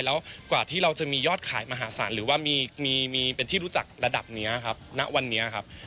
แล้วกว่าที่เราจะมียอดขายมหาศาลหรือว่ามีเป็นที่รู้จักระดับนี้ครับณวันนี้ครับ